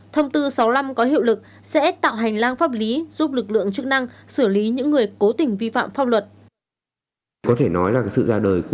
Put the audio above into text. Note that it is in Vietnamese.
thông tư sáu mươi năm có hiệu lực sẽ tạo hành lang pháp lý giúp lực lượng chức năng xử lý những người cố tình vi phạm pháp luật